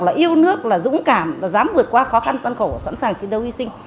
là yêu nước là dũng cảm và dám vượt qua khó khăn gian khổ sẵn sàng chiến đấu hy sinh